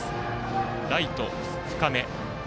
ライト、深め。